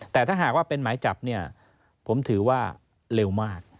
แต่ถ้าหากว่าเป็นหมายจับเนี่ยผมถือว่าเร็วมาก